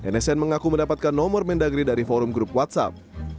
nsn mengaku mendapatkan nomor mendagri dari forum grup whatsapp